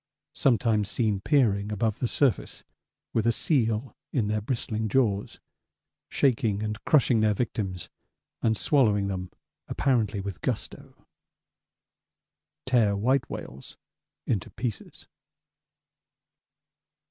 Sometimes seen peering above the surface with a seal in their bristling jaws, shaking and crushing their victims and swallowing them apparently with gusto. Tear white whales into pieces.